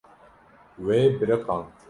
Wê biriqand.